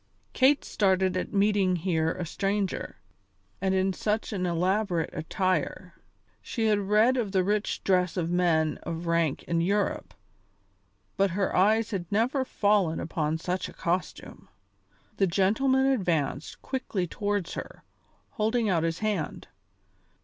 Kate started at meeting here a stranger, and in such an elaborate attire. She had read of the rich dress of men of rank in Europe, but her eyes had never fallen upon such a costume. The gentleman advanced quickly towards her, holding out his hand.